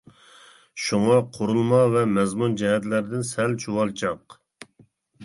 شۇڭا قۇرۇلما ۋە مەزمۇن جەھەتلەردىن سەل چۇۋالچاق.